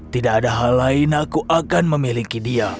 tidak ada hal lain aku akan memiliki dia